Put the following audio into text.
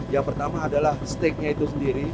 yang pertama adalah steaknya itu sendiri